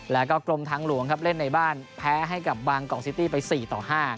แล้วก็กรมทางหลวงครับเล่นในบ้านแพ้ให้กับบางกอกซิตี้ไป๔ต่อ๕